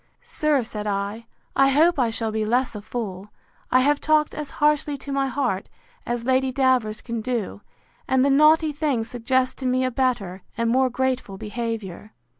—Sir, said I, I hope I shall be less a fool: I have talked as harshly to my heart, as Lady Davers can do; and the naughty thing suggests to me a better, and more grateful behaviour.